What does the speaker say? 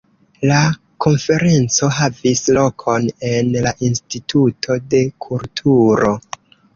La konferenco havis lokon en la Instituto de Kulturo.